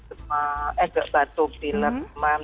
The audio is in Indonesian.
eh enggak batuk pilek demam